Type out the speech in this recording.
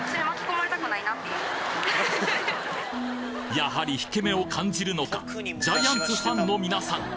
やはり引け目を感じるのかジャイアンツファンの皆さん